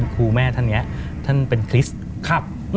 คุณแม่ท่านนี้ท่านเป็นคริสต์ครับ